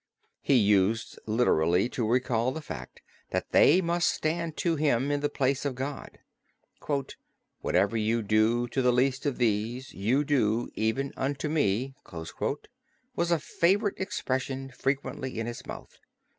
He used literally to recall the fact that they must stand to him in the place of God. "Whatever you do to the least of these you do even unto me" was a favorite expression frequently in his mouth.